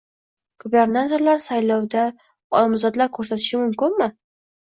Gubernatorlar saylovga nomzodlar ko'rsatishi mumkinmi?